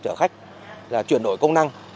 chở khách chuyển đổi công năng